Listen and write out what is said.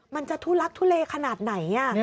มันจะทุลักทุเลขนาดไหน